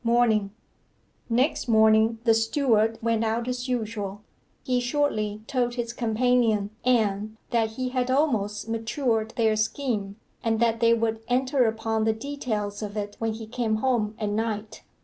MORNING Next morning the steward went out as usual. He shortly told his companion, Anne, that he had almost matured their scheme, and that they would enter upon the details of it when he came home at night.